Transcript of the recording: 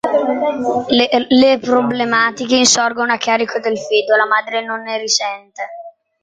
Le problematiche insorgono a carico del feto, la madre non ne risente.